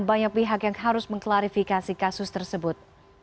banyak pihak yang harus mengklarifikasi kasus tersebut